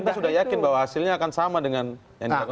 anda sudah yakin bahwa hasilnya akan sama dengan yang dilakukan